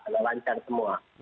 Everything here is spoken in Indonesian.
ada lancar semua